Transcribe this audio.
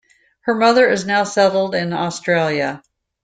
Her mother is now settled in Australia.